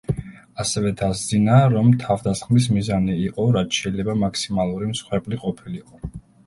ასევე დასძინა, რომ თავდასხმის მიზანი იყო, რაც შეიძლება მაქსიმალური მსხვერპლი ყოფილიყო.